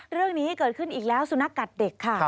เรื่องนี้เกิดขึ้นอีกแล้วสุนัขกัดเด็กค่ะ